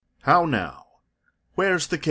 How now? Where's the King?